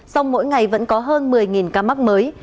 sau mỗi ngày vẫn có hơn một mươi ca mắc mới